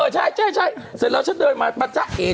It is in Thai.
จริงใช่เสร็จแล้วฉันเดินมาปัจจักรอีก